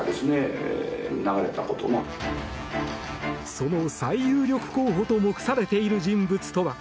その最有力候補と目されている人物とは。